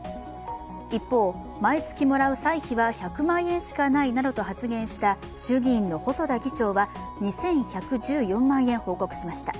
一方、毎月もらう歳費は１００万円しかないなどと発言した衆議院の細田議長は２１１４万円報告しました。